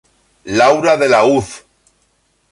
Laura de la Uz.